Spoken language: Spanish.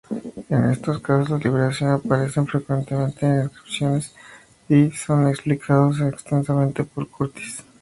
Estos casos de liberación aparecen frecuentemente en inscripciones, y son explicados extensamente por Curtius.